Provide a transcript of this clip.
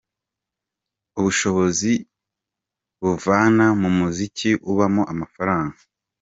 Y: Ubushobozi mbuvana mu muziki, ubamo amafaranga.